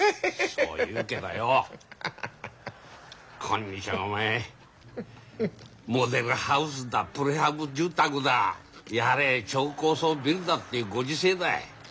そう言うけどよ今日はお前モデルハウスだプレハブ住宅だやれ超高層ビルだってご時世だ。